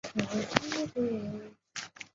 石刻凿于黄砂石崖壁上。